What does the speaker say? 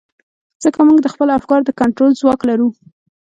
ځکه موږ د خپلو افکارو د کنټرول ځواک لرو.